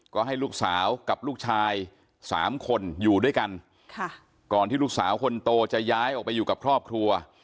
ก็ให้ลูกสาวกับลูกชายสามคนอยู่ด้วยกันค่ะก่อนที่ลูกสาวคนโตจะย้ายออกไปอยู่กับครอบครัว